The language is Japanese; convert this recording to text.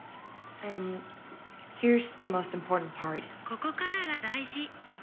「ここからが大事！」。